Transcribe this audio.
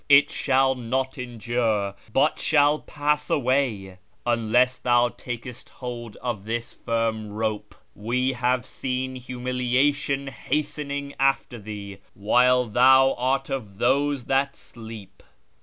It sJiall not endure, hut shall pass away, unless thou taJcest hold of this firm rope. We have seen humiliation hastening after thee, xohile thou art of those that sleep."